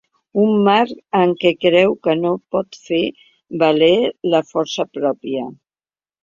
Un marc en què creu que no pot fer valer la força pròpia.